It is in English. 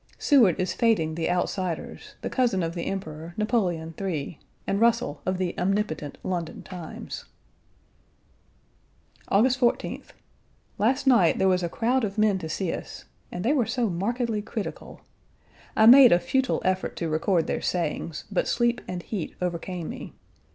Seward is fêting the outsiders, the cousin of the Emperor, Napoleon III., and Russell, of the omnipotent London Times. August 14th. Last night there was a crowd of men to see us and they were so markedly critical. I made a futile effort to record their sayings, but sleep and heat overcame me.